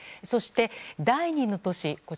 そして、第２の都市